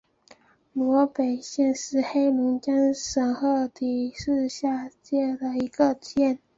萝北县是黑龙江省鹤岗市下辖的一个县。